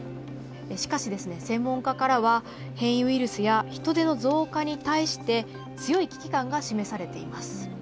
しかし、専門家からは変異ウイルスや人出の増加に対して強い危機感が示されています。